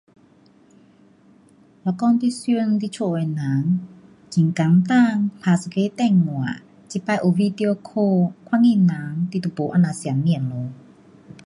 若讲你想你家的人，很简单，打一个电话，这次有 video call, 看见人，你就没这样想念咯。